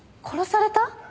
殺された！？